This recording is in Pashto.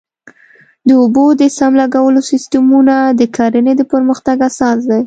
د اوبو د سم لګولو سیستمونه د کرنې د پرمختګ اساس دی.